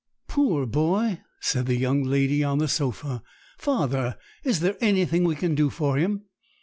'Poor boy!' said the young lady on the sofa. 'Father, is there anything we can do for him?'